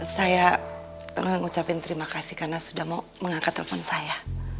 saya mengucapkan terima kasih karena sudah mau mengangkat telepon saya